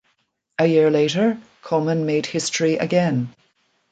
A year later, Komen made history again.